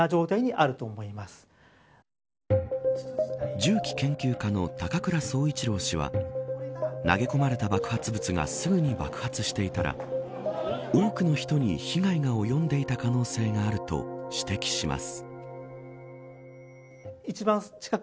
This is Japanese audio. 銃器研究家の高倉総一郎氏は投げ込まれた爆発物がすぐに爆発していたら多くの人に被害が及んでいた可能性があると指摘します。